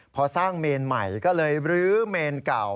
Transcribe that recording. พอสร้างเมนใหม่ก็เลยรื้อเมนเก่า